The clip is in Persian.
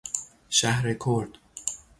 شهرکرد